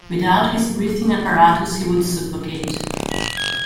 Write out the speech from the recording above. Without his breathing apparatus he would suffocate.